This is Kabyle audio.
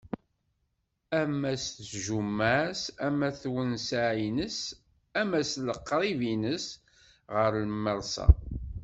Ama s tjumma-s, ama s tewseɛ-ines, ama s leqrib-ines ɣer lmersa.